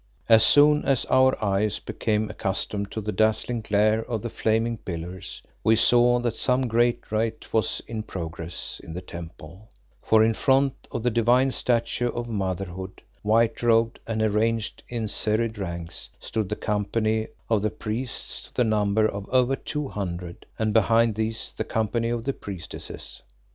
As soon as our eyes became accustomed to the dazzling glare of the flaming pillars, we saw that some great rite was in progress in the temple, for in front of the divine statue of Motherhood, white robed and arranged in serried ranks, stood the company of the priests to the number of over two hundred, and behind these the company of the priestesses.